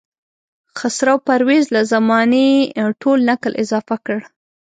خسرو پرویز له زمانې ټول نکل اضافه کړ.